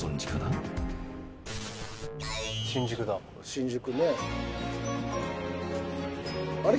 新宿ねあれ？